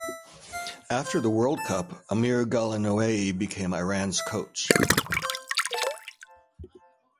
After the World Cup, Amir Ghalenoei became Iran's coach.